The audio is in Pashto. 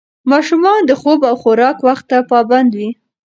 ماشومان د خوب او خوراک وخت ته پابند دي.